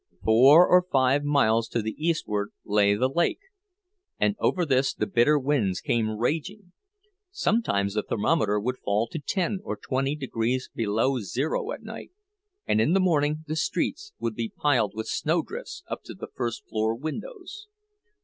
Four or five miles to the eastward lay the lake, and over this the bitter winds came raging. Sometimes the thermometer would fall to ten or twenty degrees below zero at night, and in the morning the streets would be piled with snowdrifts up to the first floor windows.